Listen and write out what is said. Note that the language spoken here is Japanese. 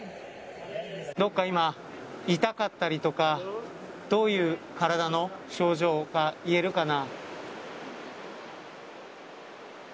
どこか今痛かったりとかどういう体の症状か言えるかな。